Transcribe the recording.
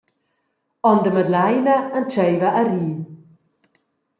Onda Madleina entscheiva a rir.